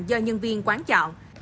do nhân viên quán chọn